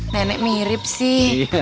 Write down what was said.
nenek mirip sih